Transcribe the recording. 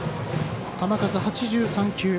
球数８３球。